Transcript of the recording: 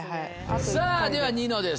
さぁではニノです